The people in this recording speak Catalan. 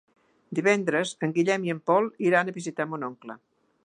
Divendres en Guillem i en Pol iran a visitar mon oncle.